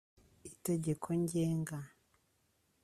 itegeko ngenga